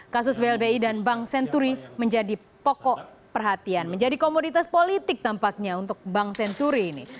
kasus blbi dan bank senturi menjadi pokok perhatian menjadi komoditas politik tampaknya untuk bank senturi ini